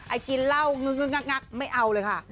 กินเหล้างึกงักไม่เอาเลยค่ะ